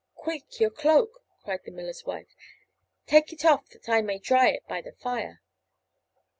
"Quick, your cloak!" cried the miller's wife. "Take it off that I may dry it by the fire!"